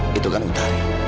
setelah kau ngerti